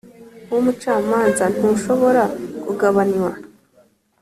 W umucamanza ntushobora kugabanywa